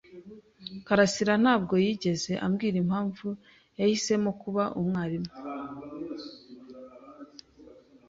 Karasirantabwo yigeze ambwira impamvu yahisemo kuba umwarimu.